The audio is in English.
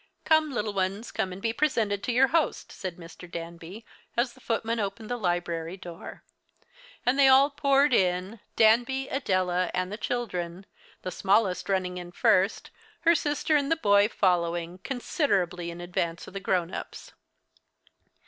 "Come, little ones, come and be presented to your host," said Mr. Danby, as the footman opened the library door; and they all poured in Danby, Adela, and the children the smallest running in first, her sister and the boy following, considerably in advance of the grown ups.